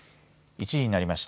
１時になりました。